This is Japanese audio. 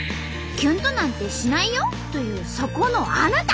キュンとなんてしないよ？というそこのあなた！